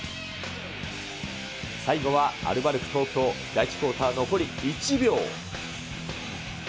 最後はアルバルク東京、第１クオーター残り１秒。